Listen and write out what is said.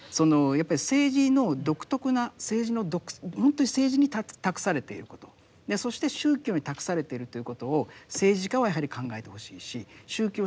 やっぱり政治の独特なほんとに政治に託されていることそして宗教に託されているということを政治家はやはり考えてほしいし宗教者は考えてほしいんですよね。